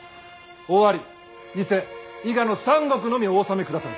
尾張伊勢伊賀の三国のみお治めくだされ。